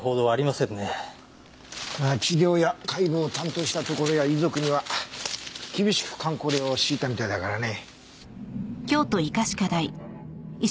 治療や解剖を担当したところや遺族には厳しく箝口令を敷いたみたいだからね。